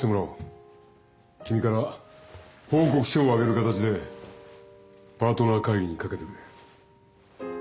君から報告書を上げる形でパートナー会議にかけてくれ。